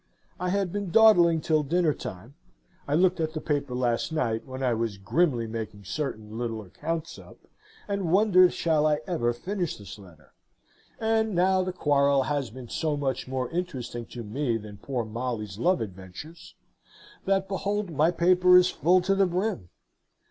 I had been dawdling till dinner time (I looked at the paper last night, when I was grimly making certain little accounts up, and wondered shall I ever finish this letter?), and now the quarrel has been so much more interesting to me than poor Molly's love adventures, that behold my paper is full to the brim!